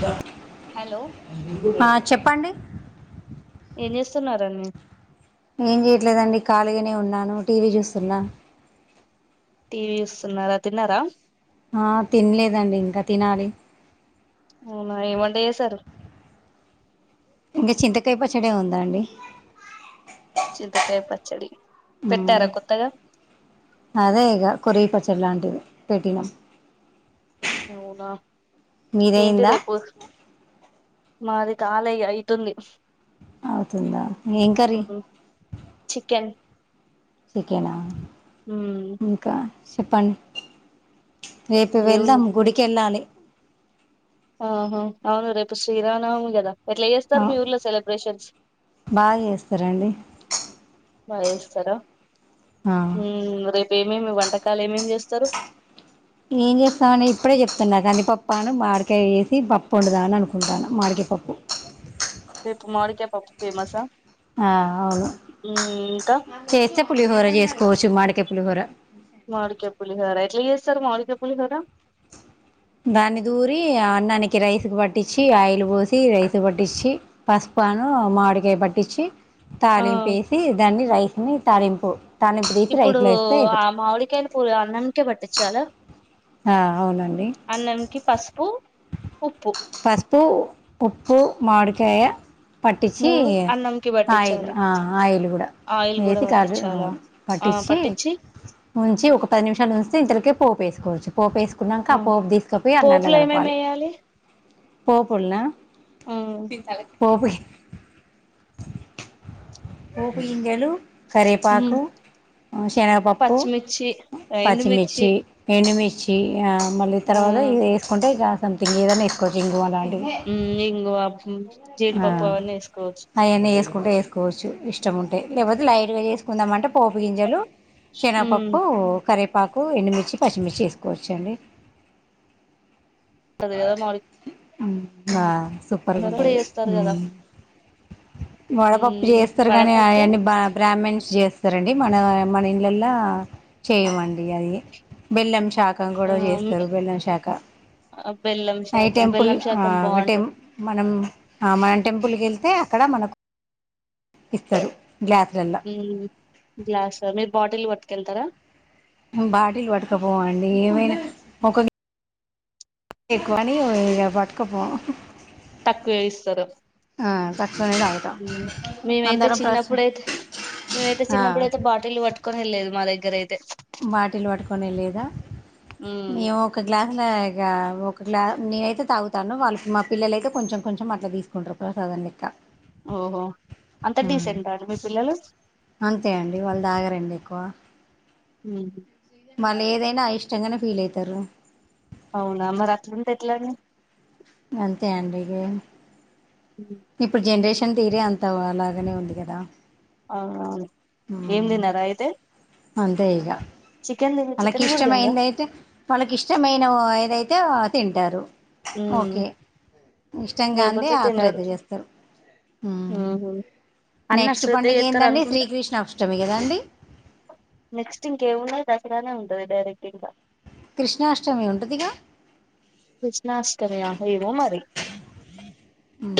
బ హలో ఆ చెప్పండి ఏం చేస్తున్నారు అండి మీరు కాలిగానే ఉన్నాను టీవీ చూస్తున్నాను టీవీ చూస్తున్నారా తిన్నారా ఆ తినలేదండి ఇంకా తినాలి అవునా ఏవంట చేసారు ఇంకా చింతకాయ పచ్చడే ఉంది అండి చింతకాయ పచ్చడి ఉ పెట్టారా కొత్తగా అదే ఇగ కొరవి పచ్చడి లాంటి పెట్టినం అవునా ఏంటి మీదయిందా రేపు మాది కాలే ఇగ అయతుంది అవుతుందా ఏం కర్రి చికెన్ చికేనా ఉమ్ ఇంకా చెప్పంన్ రేపు వెళ్దాం ఏముంది గుడికిెళ్ళాలి ఆహ అవును రేపు శ్రీ రామనవమి కదా ఎట్లా ఆ చెస్తారు మీ ఊర్లో సెలబ్రేషన్స్ బాగా చేస్తారండి బా చెస్తార ఆ హు రేప్ ఏమేమి వంటకాలు ఏమేమి చేస్తారు ఏం చేస్తామని ఇప్పుడే చెప్తున్నా కందిపప్ప అని మాడికాయ వేసి పప్పు వండుదమని అనుకుంటాన మాడికాయ పప్పు రేపు మాడికాయ్ పప్పు ఫేమస్స్ ఆ ఆ అవును హు ఇంకా చేస్తే పులిహోర చేసుకోవచ్చు మాడికాయ్ పులిహోర మడికాయ్ పులిహోరా ఎట్ల చేస్తారు మడికాయ్ పులిహోరా దాన్ని దూరి అన్నానికి రైస్ కు పట్టించి ఆయిల్ పోసి రైసు పట్టించి పసుపాను మామిడికాయ పట్టించి ఆ తాలింపేసి దాన్ని రైస్ ని తలింపు ఇప్పుడు ఆ మామిడికాయలు పు అన్నంకే పట్టించాలా అ అవునండి అన్నంకి పసుపు ఉప్పు పసుపు ఉప్పు మాడికాయ పట్టించి మూడు అన్నంకి ఆయిల్ పట్టించాలి అ ఆయిల్ కూడా ఆయిల్ కూడా వేసి కాలు పట్టించాలా పట్టించి ఉంచి ఒక పది నిమిషాలు ఉంచితే ఇంతలికే పోపేస్ కొచ్చు పోపు వేసుకున్నాక ఆ పోపు తీసుకపోయి అన్నంల పోపులు ఏమేమి కలపాలి వేయాలి పోపుల్నా ఆ ని తల పోపుకి పోపుగింజలు ఉమ్ కరేపాకు శనగపప్పు పచ్చిమిర్చి ఎండుమిర్చి పచ్చిమిర్చి ఎండుమిర్ చి ఆ మళ్ళీ ఆ తర్వాత ఇది వేసుకుంటే ఇగ సంథింగ్ ఏదన్నా వేసుకోవచ్చు ఇంగువ లాన్ మ్మ్ ఇంగువ హు ఆ అవన్నీ వేసుకుంటే వేసుకోవచ్చు ఇష్టము ఉంటే లేకపోతే లైట్ గా చేసుకుందాం అంటే పోపు గింజలు ఉమ్ శెనగపప్పు కరే పాకు ఎండుమిర్చి పచ్చిమిర్చి వేసుకోవచ్చ అండి తప్పద్గా మరి మ్ నా సూపర్ గా ఉంటాది వేస్తారు కదా మ్ వడపప్పు ఉమ్ చేస్తారు కానీ వడపప్పు అవన్నీ బ్రా బ్రామిన్స్ చేస్తారండి మన మన ఇండ్లల్లో చేయమండి అది బెల్లం శాఖ పక్కం ఆ కూడా చేస్తారు బెల్లం శాఖ ఆ, బెల్లం అయ్ శాకం టెంపుల్ బెల్లం ఆ శాకం టెం బాగుంటది ఒకటే మనం టెంపుల్కి వెళ్తే అక్కడ మనకు ఇస్తారు గ్లాసులల్లో మ్ గ్లాస్లలో మీరు బాటిల్ పటుక్ టు కెళ్తారా బాటిలు పట్టుకుపోవండి ఏమైనా ఒక ఎక్కువని పట్టుకపోం తక్కువేయిస్తారు తక్కువనే తాగుతాం మేమైతే అందరం ప్రశ చిన్నప్పుడైతే మేమైతే చిన్నప్పుడయితే బాటిల్ పట్టుకొని వెళ్లేదు మాదగ్గరైతే బాటిల్ పట్టుకుని వెళ్లేదా ఉమ్ మేము ఒక గ్లాస్ అలా ఇక ఒక గ్లా నేనైతే తాగుతాను వాళ్ళకి మా పిల్లలయితే కొంచెం కొంచెం అట్లా తీసుకుంటారు ప్రసాదం లెక్క ఓహో అంత డీసెంట్ అండి మీ పిల్లలు అంతే అండి వాళ్ళు తాగరండి ఎక్కువ హ వాళ్ళు ఏదైనా అయిష్టంగానే ఫీల్ అవుతారు అవునా మరి అట్లుంటే ఎట్లా అండి అంతే అడి ఇప్పుడు జెనరేషన్ కిక్షన్ తీరే అంత అలాగనే ఉంది కదా అవువును ఏం తినరా అయితే అంతే ఇగా చికెన్ తిన్ వాళ్ళకి చికెన్ కూడా తినరా ఇష్టమైంది అయితే వాళ్ళకి ఇష్టమైన ఏదైతే అయితే తింటారు ఉమ్ ఓకే ఇష్టంగా అండి లేకపోతే ఆశ్రధ తినరు చేస్తారా? ఉహు అన్న నెక్స్ట్ శ్రద్ధ పండుగ చేస్తారు ఏందండి అనుకుంటా శ్రీకృష్ణాష్టమి కదండి నెక్స్ట్ ఇంకేమున్నాయి దసరానే ఉంటంది అదే డైరెక్ట్ ఇగ కృష్ణాష్టమి ఉంటుదిగా కృష్ణాష్టమియా ఏమో మరి అవు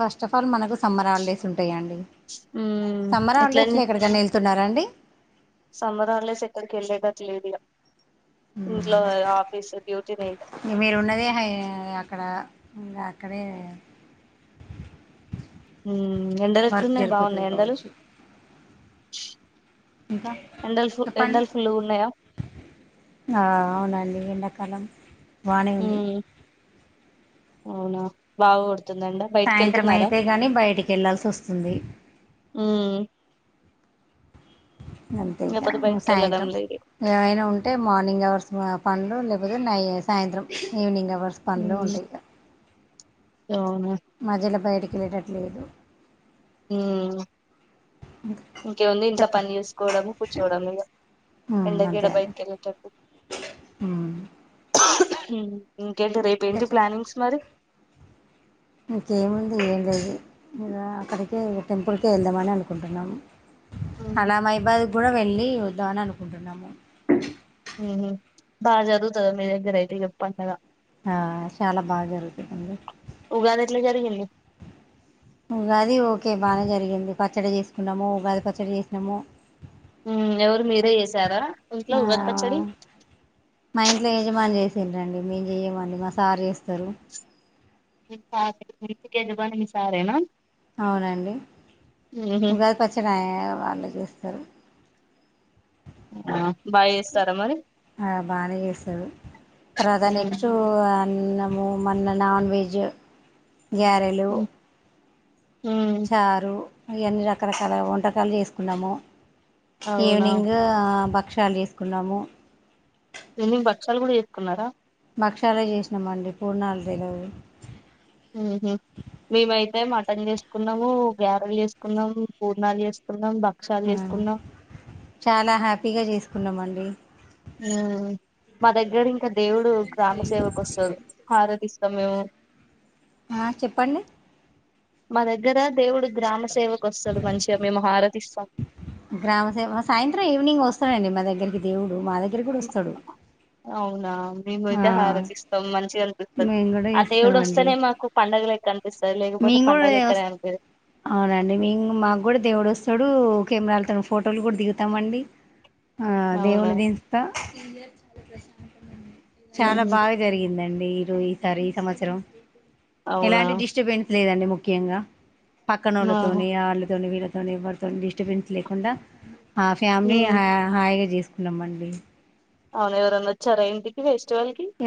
ఫస్ట్ ఆఫ్ ఆల్ మనకు సమ్మర్ హాలిడేస్ ఉంటాయా అండి ఉమ్ సమ్మర్హాలిడేస్స్ ఎట్లండి లో ఎక్కడికన్నావెళ్తున్నారా అండి. సమ్మర్ హాలిడేస్ ఎక్కడికి ఎల్లేటట్టు లేదిగ డ్యూటీ నే ఇగ. ఊ మీరు ఉన్నదే హై అక్కడ ఇంకా అక్కడే హ్మ్మ్ ఎండలు వర్క్ ఎట్లున్నాయి జరిపోతుంది బాగున్నాయ ఎండలు కావచ్చు ఇంకా ఎండలు ఫుల్ చెప్పండి ఎండలు ఫుల్లు ఉన్నాయా ఆ అవునండి ఎండ కాలం బానే ఉంది ఉమ్ అవునా బాగో సాయంత్రం అయితే గాని బయటికేళ్లాల్సివస్తుంది. ఉమ్ ఇంగంతేగా లేకపోతే బయటికి వెళ్ళడం సాయంత్రం లేదు ఏవైనా ఉంటే మార్నింగ్ అవర్స్ పనులు లేకపో నయి సాయంత్రం ఈవెనింగ్ అవ్ వర్స్ ఉమ్ పనిలోంటయి ఇగ అవునా మధ్యలో బయటికి ఇనేటట్లు లేదు హూ ఇంకేముంది ఇంట్లో చెప్ప పని చేసుకోవడం కూర్చోవడం ఇగ హ్మ్ ఎండకి అంతే యాడ అండి బయటకి వెళ్ళేటప్పుడు ఉమ్ మ్మ్ ఇంకేంటి ఇంకా రేపేంటి చెప్ ప్లానింగ్స్ మరి ఇంకేముంది తే ఇగ టెంపుల్కేవేళ్దామని అనుకుంటున్నాము. ఉమ్ అలా మైబాద్ గుడ వెళ్ళి వద్దామని అనుకుంటున్నాము. ఊహూ బాగా జరుగుతదా మీ దగ్గరైతే ఇగ పండగ ఆ చాలా బాగా జరుగుతదండి. ఉగాది ఎట్లా జరిగింది ఉగాది ఓకే బాగానే జరిగింది పచ్చడి చేసుకున్నాము ఉగాది పచ్చడి చేసినాము. మ్మ్ ఎవరు మీరే చేసారా ఇంట్లో ఆ ఉగాది పచ్చడి మా ఇంట్లో యజమాని చేసి డ్రండి మేము చెయ్యమండి మా సార్ చేస్తరు. మీ సార్ మీ ఇంటికి యజమాని మీ సారేనా అవునండి. ఉహు ఉగాది పచ్చడి అయ్ వాళ్ళే చేస్తారు. బాగా చేస్తారా మరి ఆ బానే చేస్తడు తర్వాత నెక్స్ట్ అన్నము మళ్ళ నాన్ వెజ్ గ్యారెలు ఉమ్ చారు ఇయ అన్ని రకరకాల వంటకాలు చేసుకున్నాము. అవునా ఈవనింగ్ బక్ క్షాలు చేసుకున్నాము. ఈవినింగ్ బచ్చాలు కూడా చేసుకున్నార భక్షాలే చేసినామండి పూర్ణాలు తెలవు ఉహు మేము అయితే మటన్ చేసుకున్నాము. గారెలు చేసుకున్నాం. పూర్ణాలు చేసుకున్నాం. బ ఆ చాలా హ్యాపీగా చేసుకున్నామం ఉ ఉం మా దగ్గర ఇంకా దేవుడు గ్రామ సేవకు వస్తడు హారతి ఇస్తాం మేము ఆ చెప్పండి మా దగ్గర దేవుడు గ్రామ సేవకు వస్తడు మంచిగా మేము హారతి ఇస్తాం. వస్తాయ అండి మా దగ్గరికి దేవుడు మాగ అవునా మేము ఆ, అయితే హారతి ఇస్తాం. మంచి అనిపిస్తది. మేము ఆ దేవుడు వస్తేనే మాకు పండగల మేం కూడా వస్ అవునండి మాకు కూడా దేవుడు వస్తాడు. కెమెరాలతో ఫోటోలు కూడా దిగుతామండి. ఆ అవునా దేవుని దీంత ఇండియా చాలా ప్రశాంతంగా ఉంది చాలా ఉహు బాగా జరిగిందన్ ఈరోయి ఈసారి సంవత్సరం అవునా ఎలాంటి డిస్టబెన్స్ లేదండి ముఖ్యంగా పక్కన ఆహా ఒళ్ళతోని ఆళ్ళతోని వీళ్ళత్ తోని ఎవరితోని డిస్టబెన్స్ లేకుండా ఆ ఫ్యామిలీ ఉమ్ హ్య హయ్ గా దీసు లమండి అవును ఎవరన్న వచ్చార ఇంటికి వేస్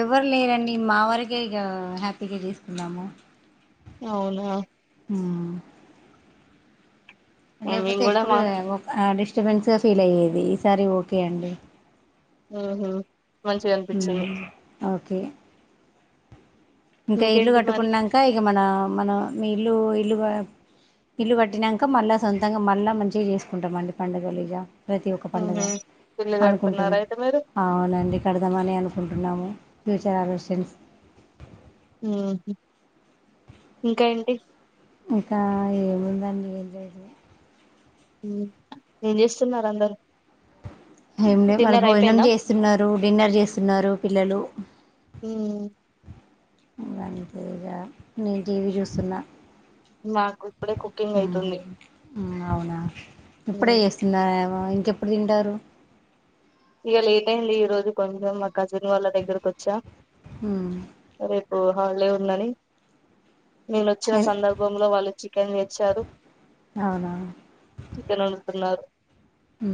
ఎవ్వరు లేరండి మా వరకే ఇక హ్యాప్ టికెట్ తీసుకున్నాము అవునా ఊ ఆ, మేము లేకపోతే కూడా ఎప్పుడు మా ఒకడిస్ డిస్టబెన్స్గా ఫీల్ అయ్యేది ఈసారి ఓకే అండి. ఉహూ మంచిగా అనిపించింది ఉమ్ ఓకే ఇంకా ఇల్లు ఇంకేంటి మరి కట్టుకున్నాక ఇక మన మన మీ ఇల్లు ఇల్లు ఇల్లు కట్టినాక మళ్ళా సొంతంగా మళ్ళా మంచిగా చేసుకుంటాంమండి పండుగలు ఇగ ప్రతి ఒక్క పడుగ ఉహు ఇల్లు కడుతున్నారా అనుకుంటున్నా అయితే మీరు అవునండి కడదామని అనుకుంటున్నాము ఫ్యూచర్ ఆలోచన ఇంకా ఏంటి ఇంకా ఏముందండి ఏ ఏం చేస్తున్నారు అందరు ఏమి లే మరి డిన్నర్ భోజనం అయిపోయిందా చేస్తున్నారు డిన్నర్ చేస్తున్నారు పిల్లలు ఉమ్ గంతే ఇగ నేను టీవీ చూస్తున్న మాకు ఇప్పుడే కుకింగ్ ఉ అయితుంది అవునా ఇప్పుడే ఉమ్ చేస్తున్నారు ఆ ఇంకెప్పుడు తింటారు ఇగా లేట్ అయింది ఈ రోజు కొంచెం మా కజిన్ వాళ్ళ దగ్గరక వచ్చా ఉ ఒహలే ఉందని నేను వచ్చిన ఎల్- సందర్భంలో వాళ్ళు చికెన్ తెచ్చారు అవునా చికెన్ వండుతున్నారు ఉ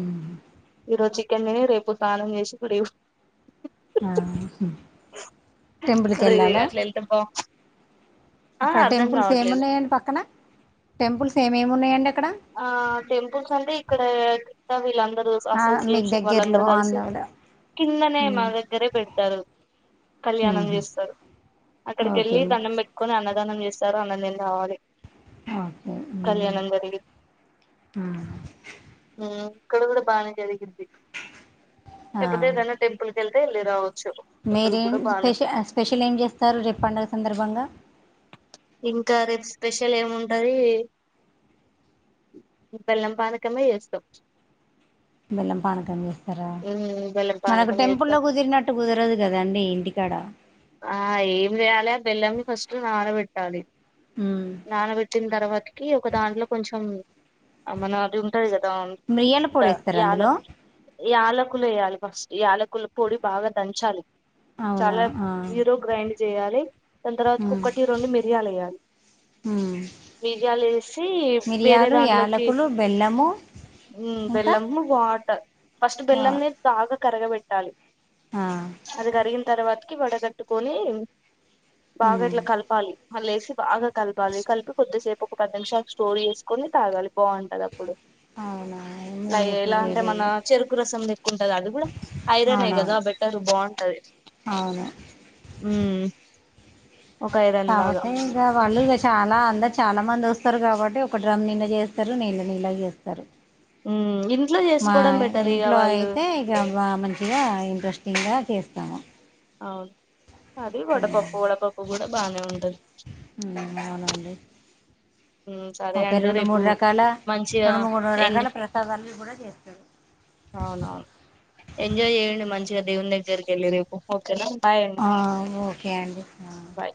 ఈరో చికన్నే రేపు తానం చేసి గుడి ఆ టెంపుల్ కెల్లాల అట్లా ఎంత బా ఆ అక్కడ అర్ధం టెంపుల్స్ ఏమి కావట్లేదు ఉన్నాయండి పక్కన టెంపుల్స్ ఏమేమి ఉన్నాయండి అక్కడ ఆ టెంపుల్స్ అంటే ఇక్కడ వీళ్లంతా దరు ఆ మీకు అసోసియేషన్ దగ్గరలో వాళ్ళందరూ కలిసి ఆంధ్రాలో కిందనే మా ఉమ్ దగ్గరే పెడతారు కళ్యాణం ఉహు చేస్తారు అక్కడికి ఓకే వెళ్ళి దన్నం పెట్టుకని అన్న దానం చేస్తారు అన్నం తిని రవళి కళ్యాణందరి ఉ మక్కడ కూడా బానే జరిగింది ఆ లేకపోతే ఏదైనా టెపల్ కెళ్తే లేదా మీరేం స్పెషల్ స్పెషల్ ఏం చేస్తారు రేపు పడుగ సందర్భంగా ఇంకా రేపు స్పెషల్ ఏముంటుంది బెల్లం పానకమే చేస్తాం బెల్లం పానకం చేస్తారా ఉమ్ బెల్లం మనకు పానకం చేస్తాం టెంపుల్లో కుదిరినట్టు కుదరదు కదాండి ఇంటికాడ ఆ ఏం చేయాలి ఆ బెల్లంని ఫస్ట్ నానబెట్టాలి ఉమ్ నానబెట్టిన తర్వాతికి ఒకే ఒక దాంట్లో కొంచెం మన టుంటజర్ మిరియాల పొడి ఇంకా వేస్తారు అందులో యాలకు యాలకులు వేయాలి ఫస్ యలకుల పొడి బాగా దంచాలి అవునా చాలా ఆ జీరో గ్రైండ్ చేయాలి దాని తర్వాత ఉమ్ ఒక్కటి రెండు మిరియాలు వేయాలి ఉమ్ మిరియాలు వేసి వేరే మిరియాలు దాంట్లోకి యాలకులు బెల్లము ఇంకా బెల్లము వాటర్ ఫస్ట్ వా బెల్లం నీ కాగ కరగబెట్టాలి ఆ అది కరిగిన తర్వాత కి వాడ కట్టుకోని హ్మ్ బాగాట్లా కలపాలి వాళ్ లేసి బాగా కలపాలి కలిపి కొద్దిసేపు ఒక పది నిమిషాలు స్టోర్ చేసుకొని తాగాలి బాగుంటది డు అవునా రై మేము ఎప్పుడు ఎలా అంటే మన చేయలేదు చెరుకు రసం ఎక్కుంటది అది కూడా ఐరనే కదా అవునవును బెటర్ బాగుంటది అవును ఉమ్ ఒక ఐరన్ లాగా కాబట్టి ఇంకా వాళ్ళు ఇక చాలా అంద చాలా మంది వస్తారు కాబట్టి ఒక డ్రమ్ నిండా చేస్తారు నీళ్ళ నీళ చేస్తారు ఉమ్ ఇంట్లో మా చేసుకోవడం బెటర్ ఇక ఇంట్లో వాళ్ళు అయితే ఇక బా మంచిగా ఇంట్రెస్టింగ్ గా చేస్తాము అవును అది వడ పప్పు వడ పప్పు కూడా బానే ఉంటుంది ఉమ్ అవునండి హ్మ్ సరే ఓకే అండి రెండు రేపు మూడు రకాల మంచిగా రెండు మూడు ఎండ్ రకాల ప్రసాదాలు కూడా చేస్తారు అవునవును ఎంజాయ్ చేయండి మంచిగా దేవుని దగ్గరకు వెళ్ళు రేపు పొద్దున ఆ ఓకే అండి హ బాయ్